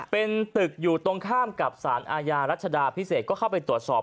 เป็นตึกอยู่ตรงข้ามกับสารอาญารัชดาพิเศษก็เข้าไปตรวจสอบ